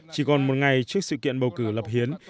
chỉ còn một ngày trước sự kiện bầu cử lập hiến